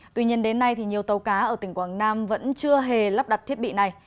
tuy nhiên đến nay nhiều tàu cá ở tỉnh quảng nam vẫn chưa hề lắp đặt thiết bị này